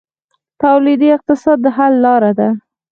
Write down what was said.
تولیدي اقتصاد د حل لاره ده